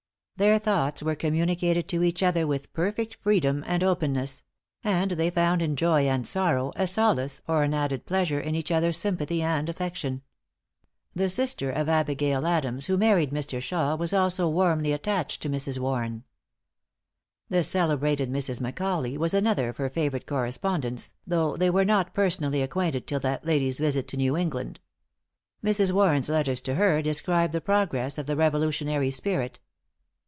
Their thoughts were communicated to each other with perfect freedom and openness; and they found in joy and sorrow, a solace, or an added pleasure, in each other's sympathy and affection. The sister of Abigail Adams, who married Mr. Shaw, was also warmly attached to Mrs. Warren. The celebrated Mrs. Macauley was another of her favorite correspondents, though they were not personally acquainted till that lady's visit to New England. Mrs. Warren's letters to her describe the progress of the Revolutionary spirit.